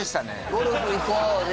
ゴルフ行こうをね